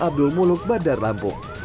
abdul muluk bandar lampung